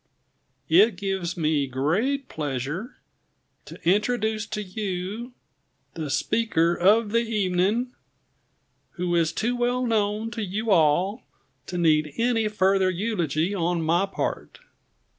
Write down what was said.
It gives me great pleasure to introduce to you the speaker of the evening, who is too well known to you all to need any further eulogy on my part."